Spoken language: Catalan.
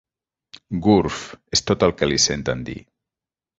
Gurf —és tot el que li senten dir.